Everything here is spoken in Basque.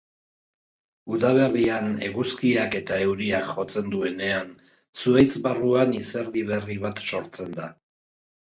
Udaberrian eguzkiak eta euriak jotzen dutenean, zuhaitz barruan izerdi berri bat sortzen da.